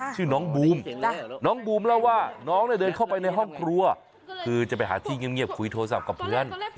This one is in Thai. ชื่อน้องบูมน้องบูมเล่าว่าน้องเนี่ยเดินเข้าไปในห้องครัวคือจะไปหาที่เงียบคุยโทรศัพท์กับเพื่อน